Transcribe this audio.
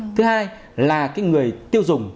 thứ hai là người tiêu dùng